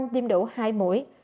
ba mươi bốn tiêm đủ hai mũi